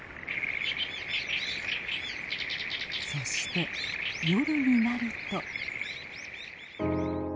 そして夜になると。